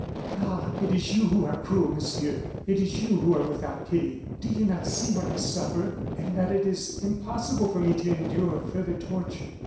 "Ah! it is you who are cruel, Monsieur; it is you who are without pity. Do you not see what I suffer, and that it is impossible for me to endure further torture?